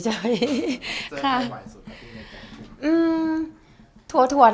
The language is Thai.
เจอใครไหวสุดท้ายในเจน